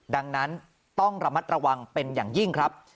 ดังนั้นต้องระมัดระวังเป็นอย่างยิ่งครับ